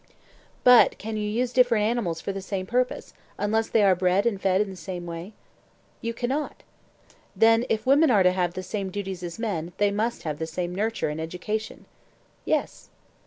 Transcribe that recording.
But can you use different animals for the same purpose, unless they are bred and fed in the same way? You cannot. Then, if women are to have the same duties as men, they must have the same nurture and education? Yes.